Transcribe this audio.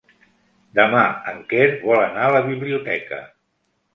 Demà en Quer vol anar a la biblioteca.